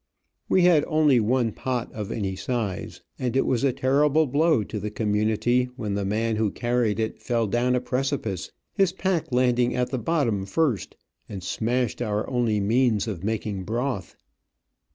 We had only one pot of any size, and it was a terrible blow to the community when the man who carried it fell down a precipice, his pack landing at the bottom first, and smashed our only means of making broth.